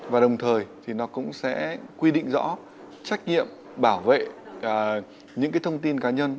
và đồng thời thì nó cũng sẽ quy định rõ trách nhiệm bảo vệ những thông tin cá nhân